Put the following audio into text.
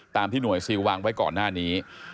ตามที่หน่วยซิลว์วางไว้เกาะหน้านี้